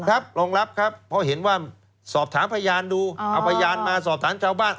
ครับรองรับครับเพราะเห็นว่าสอบถามพยานดูเอาพยานมาสอบถามชาวบ้าน